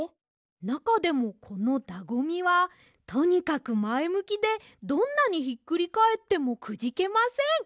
なかでもこのだごみはとにかくまえむきでどんなにひっくりかえってもくじけません。